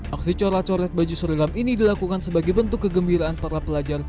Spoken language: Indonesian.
aksi corak coret baju seragam ini dilakukan sebagai bentuk kegembiraan para pelajar